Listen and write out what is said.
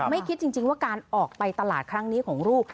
ไม่คิดจริงว่าการออกไปตลาดครั้งนี้ของลูก